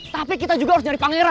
tapi kita juga harus jadi pangeran